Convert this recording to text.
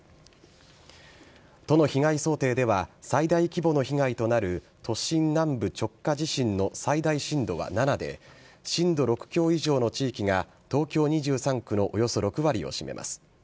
都の被害想定では最大規模の被害となる都心南部直下地震の最大震度は７で震度６強以上の地域が東京２３区のおよそ６割を占めます。